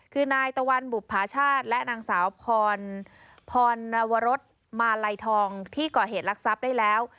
คือนายตะวันบุภาชาติและนางสาวพรพรนวรสมาลัยทองที่ก่อเหตุรักทรัพย์ได้แล้ว